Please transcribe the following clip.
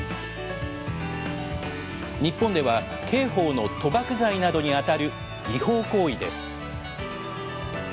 日本では刑法の賭博罪などにあたる違法行為です。